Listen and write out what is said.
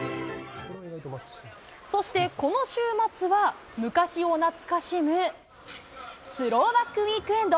そしてこの週末は、昔を懐かしむスローバックウィークエンド。